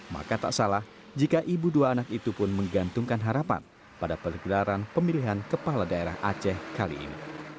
maka tak salah jika ibu dua anak itu pun menggantungkan harapan pada pergelaran pemilihan kepala daerah aceh kali ini